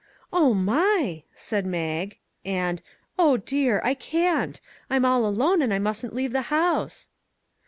" Oh my !" said Mag. And, " Oh dear! I can't. I'm all alone, and I mustn't leave the house."